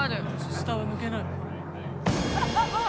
下は抜けない。